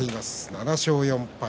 ７勝４敗。